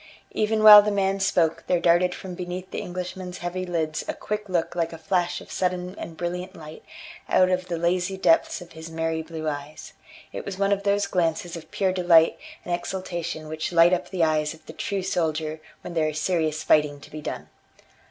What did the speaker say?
Even while the man spoke there darted from beneath the Englishman's heavy lids a quick look like a flash of sudden and brilliant light out of the lazy depths of his merry blue eyes; it was one of those glances of pure delight and exultation which light up the eyes of the true soldier when there is serious fighting to be done.